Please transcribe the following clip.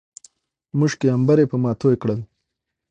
مښک، عنبر يې په ما توى کړل